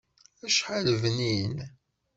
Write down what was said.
Acḥal bnin!